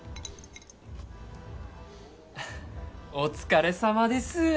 お疲れさまです